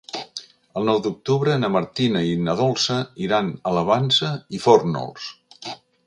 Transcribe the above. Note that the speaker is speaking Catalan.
El nou d'octubre na Martina i na Dolça iran a la Vansa i Fórnols.